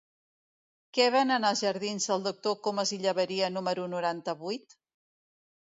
Què venen als jardins del Doctor Comas i Llaberia número noranta-vuit?